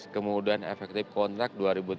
kemudian efektif kontrak dua ribu tujuh belas